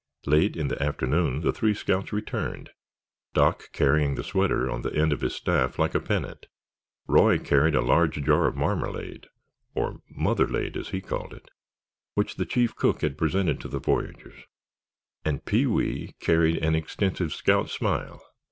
Late in the afternoon the three scouts returned, Doc carrying the sweater on the end of his staff like a pennant. Roy carried a large jar of marmalade (or "motherlade" as he called it) which the chief cook had presented to the voyagers; and Pee wee carried an extensive scout smile.